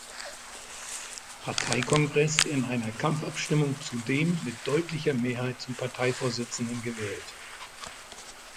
Parteikongress in einer Kampfabstimmung zudem mit deutlicher Mehrheit zum Parteivorsitzenden gewählt.